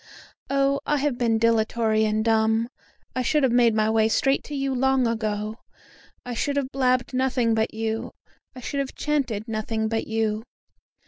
Oh! I have been dilatory and dumb; I should have made my way straight to you long ago; I should have blabbed nothing but you, I should have chanted nothing but you.